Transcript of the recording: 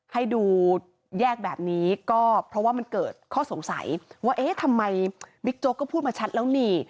ให้ดูแยกแบบนี้ก็เพราะว่ามันเกิดข้อสงสัยว่าเอ๊ะทำไมบิ๊กโจ๊กก็พูดมาชัดแล้วนี่